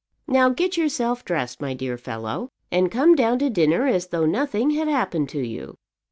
Now get yourself dressed, my dear fellow, and come down to dinner as though nothing had happened to you."